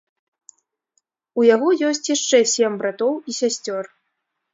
У яго ёсць яшчэ сем братоў і сясцёр.